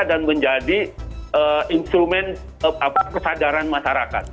dan menjadi instrumen kesadaran masyarakat